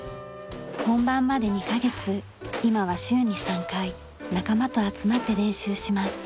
本番まで２カ月今は週に３回仲間と集まって練習します。